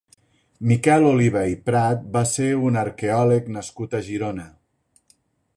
Miquel Oliva i Prat va ser un arqueòleg nascut a Girona.